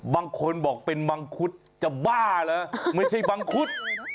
บางคนบอกเป็นมังคุดจะบ้าเหรอไม่ใช่มังคุด